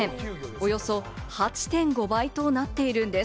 およそ８．５倍となっているんです。